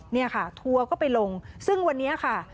เนี่ยค่ะทัวร์ก็ไปลงซึ่งวันนี้ค่ะ